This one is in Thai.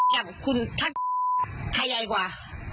กับคุณท่านใครใหญ่กว่า